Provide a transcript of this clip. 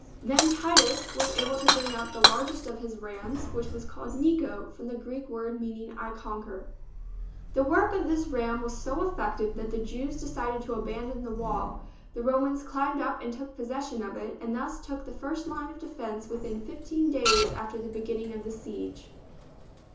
Then Titus was able to bring up the largest of his rams, which was called " Niko," from the Greek word meaning " I conquer." The work of this ram was so effective that the Jews decided to abandon the wall; the Romans climbed up and took possession of it, and thus took the first line of defence within fifteen days after the beginning of the siege.